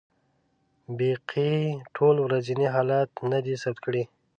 بیهقي ټول ورځني حالات نه دي ثبت کړي.